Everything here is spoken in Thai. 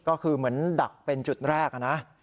ก็คือเหมือนดักเป็นจุดแรกนะ